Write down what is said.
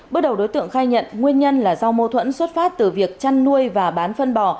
bước đầu đối tượng khai nhận nguyên nhân là do mâu thuẫn xuất phát từ việc chăn nuôi và bán phân bò